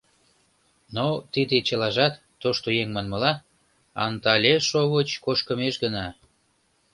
Но тиде чылажат, тошто еҥ манмыла, антале шовыч кошкымеш гына.